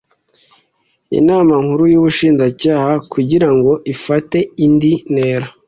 Inama Nkuru y Ubushinjacyaha kugira ngo ifate indi ntera